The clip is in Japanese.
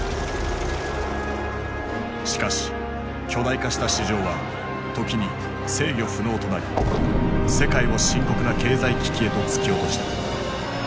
しかし巨大化した市場は時に制御不能となり世界を深刻な経済危機へと突き落とした。